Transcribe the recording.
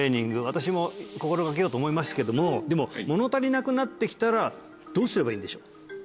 私も心掛けようと思いましたけどもでも物足りなくなってきたらどうすればいいんでしょう？